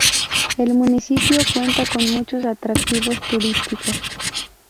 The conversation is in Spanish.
El municipio cuenta con muchos atractivos turísticos.